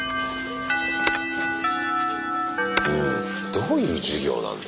どういう授業なんだ？